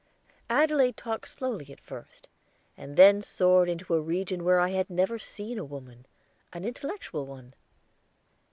Adelaide talked slowly at first, and then soared into a region where I had never seen a woman an intellectual one.